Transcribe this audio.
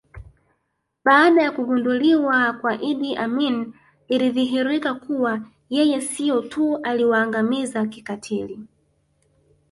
Baada ya kupinduliwa kwa Idi Amin ilidhihirika kuwa yeye sio tu aliwaangamiza kikatili